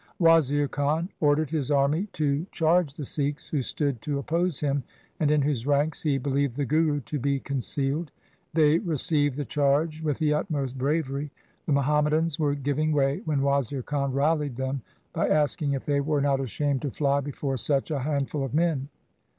Wazir Khan ordered his army to charge the Sikhs who stood to oppose him, and in whose ranks he believed the Guru to be concealed. They received the charge with the utmost bravery. The Muham madans were giving way when Wazir Khan rallied them by asking if they were not ashamed to fly before such a handful of men.